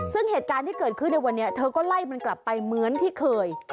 ซึ่งเหตุการณ์ที่เกิดขึ้นในวันนี้เธอก็ไล่มันกลับไปเหมือนที่เคย